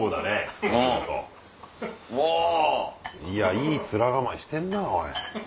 いい面構えしてんなおい！